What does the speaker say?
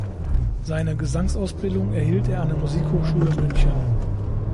Seine Gesangsausbildung erhielt er an der Musikhochschule München.